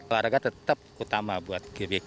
keluarga tetap utama buat gbk